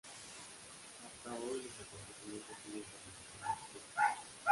Hasta hoy los acontecimientos siguen permaneciendo oscuros.